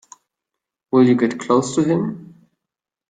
Will you get close to him?